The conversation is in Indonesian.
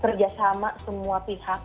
terutama semua pihak